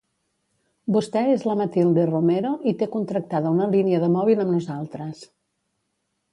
Vostè és la Matilde Romero i té contractada una línia de mòbil amb nosaltres.